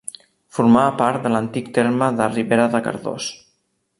Formava part de l'antic terme de Ribera de Cardós.